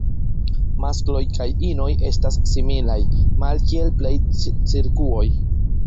Maskloj kaj inoj estas similaj, malkiel plej cirkuoj.